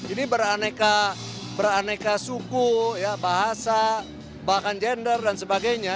ini beraneka suku bahasa bahkan gender dan sebagainya